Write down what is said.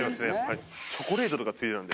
チョコレートとか付いてたんで。